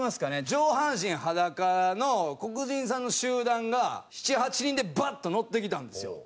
上半身裸の黒人さんの集団が７８人でバッと乗ってきたんですよ。